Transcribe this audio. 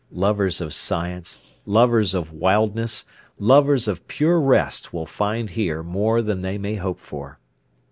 Lovers of science, lovers of wildness, lovers of pure rest will find here more than they may hope for.